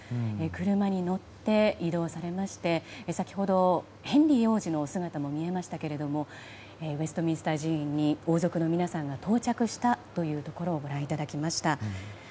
車に乗って移動されまして先ほどヘンリー王子の姿も見えましたけれどもウェストミンスター寺院に王族の皆さんが到着したというところをご覧いただきました。